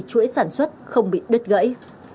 chuỗi sản xuất không bị đứt gãy